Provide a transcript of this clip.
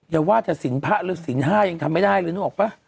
อย่าว่าแต่สินพระหรือสินห้ายังทำไม่ได้เลยนึกออกป่ะ